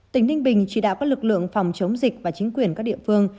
tỉnh ninh bình chỉ đạo các lực lượng phòng chống dịch và chính quyền các địa phương